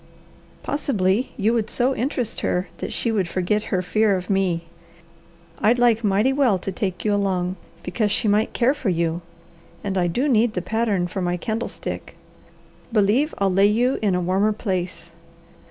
"Possibly you would so interest her that she would forget her fear of me. I'd like mighty well to take you along, because she might care for you, and I do need the pattern for my candlestick. Believe I'll lay you in a warmer place."